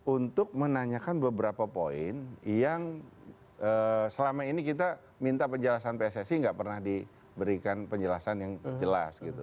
untuk menanyakan beberapa poin yang selama ini kita minta penjelasan pssi nggak pernah diberikan penjelasan yang jelas gitu